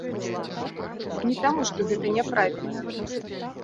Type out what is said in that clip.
Не таму, што гэта няправільна.